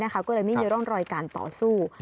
ก็เลยไม่มีร่องรอยการต่อสู้